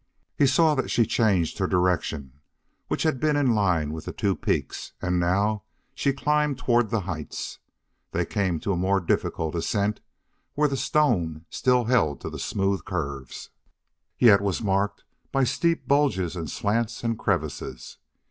He saw that she changed her direction, which had been in line with the two peaks, and now she climbed toward the heights. They came to a more difficult ascent, where the stone still held to the smooth curves, yet was marked by steep bulges and slants and crevices.